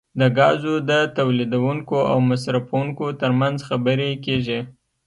د ګازو د تولیدونکو او مصرفونکو ترمنځ خبرې کیږي